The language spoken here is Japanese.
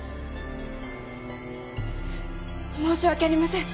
申し訳ありません。